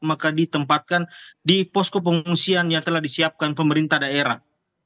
maka ditempatkan di posko pengungsian yang telah disiapkan pemerintah daerah